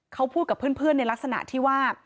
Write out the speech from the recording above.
เขาพูดกับเพื่อนในลักษณะที่ว่า